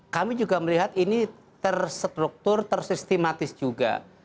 kami juga melihat ini terstruktur tersistematis juga